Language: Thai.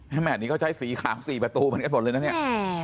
แม่นี้เขาใช้สีขาว๔ประตูเหมือนกันหมดเลยนะเนี่ย